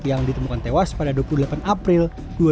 yang ditemukan tewas pada dua puluh delapan april dua ribu dua puluh